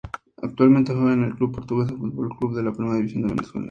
Actualmente juega en el Portuguesa Fútbol Club de la Primera División de Venezuela.